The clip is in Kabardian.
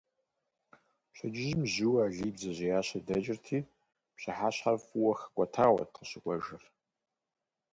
Пщэдджыжьым жьыуэ Алий бдзэжьеящэ дэкӏырти, пщыхьэщхьэр фӏыуэ хэкӏуэтауэт къыщыкӏуэжыр.